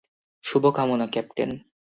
শুভকামনা, ক্যাপ্টেন।